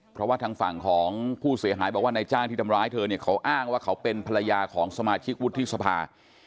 เพราะว่าทางฝั่งของผู้เสียหายบอกว่านายจ้างที่ทำร้ายเธอเนี่ยเขาอ้างว่าเขาเป็นภรรยาของสมาชิกวุฒิสภา